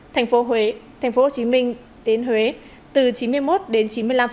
tp hcm đến huế từ chín mươi một đến chín mươi năm